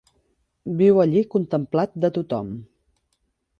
Viu allí contemplat de tothom.